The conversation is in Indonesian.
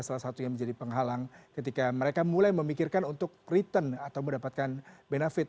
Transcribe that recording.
salah satu yang menjadi penghalang ketika mereka mulai memikirkan untuk return atau mendapatkan benefit